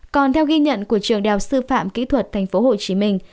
còn theo ghi nhận của trường đào sư phạm kỹ thuật thành phố hồ chí minh